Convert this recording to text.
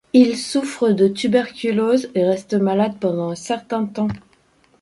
Il souffre de tuberculose et reste malade pendant un certain temps.